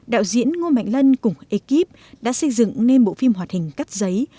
đạo diễn ngo mạnh lân cùng ekip đã xây dựng nên bộ phim họa hình cắt giấy